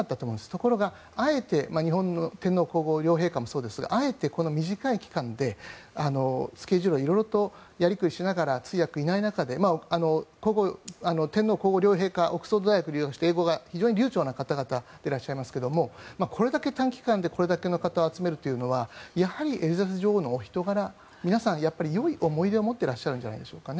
ところが、あえて日本の天皇・皇后両陛下もそうですがあえてこの短い期間でスケジュールを色々とやり繰りしながら通訳がいない中で天皇・皇后両陛下はオックスフォード大学に留学して英語が非常に流ちょうな方々でいらっしゃいますがこれだけ短期間でこれだけ多くの方を集めるというのはやはりエリザベス女王のお人柄皆さん、よい思い出を持っていらっしゃるんじゃないでしょうか。